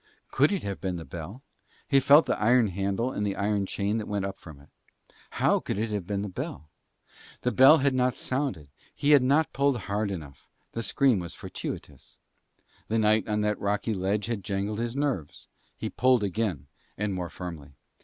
Could it have been the bell? He felt the iron handle and the iron chain that went up from it. How could it have been the bell! The bell had not sounded: he had not pulled hard enough: that scream was fortuitous. The night on that rocky ledge had jangled his nerves. He pulled again and more firmly.